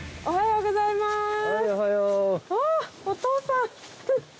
おはようございます。